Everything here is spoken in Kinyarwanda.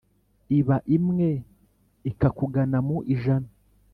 Iba imwe ikakugana mu ijana.